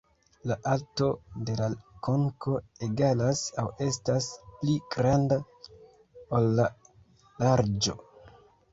La alto de la konko egalas aŭ estas pli granda ol la larĝo.